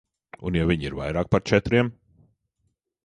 Un ja viņi ir vairāk par četriem?